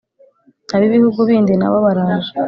abi bihugu bindi nabo baraje